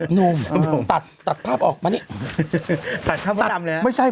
หนุ่มตัดภาพออกมานี่ตัดข้าวดำเลยครับ